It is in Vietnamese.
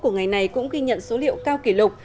của ngày này cũng ghi nhận số liệu cao kỷ lục